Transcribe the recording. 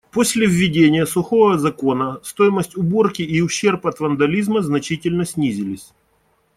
После введения сухого закона стоимость уборки и ущерб от вандализма значительно снизились.